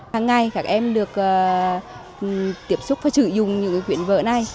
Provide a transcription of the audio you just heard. hằng ngày các em được tiếp xúc và sử dụng những quyển vở này